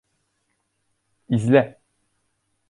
İzle!